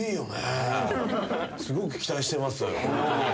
すごく期待してます。